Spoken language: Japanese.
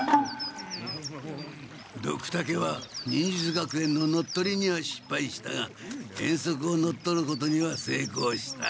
ドクタケは忍術学園の乗っ取りにはしっぱいしたが遠足を乗っ取ることにはせいこうした！